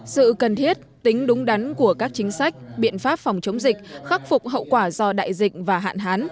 sự cần thiết tính đúng đắn của các chính sách biện pháp phòng chống dịch khắc phục hậu quả do đại dịch và hạn hán